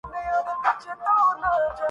پٹریوں سا اکھڑ رہا ہے کوئی